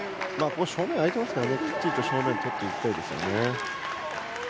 正面空いてますからきっちりと正面とっていきたいですよね。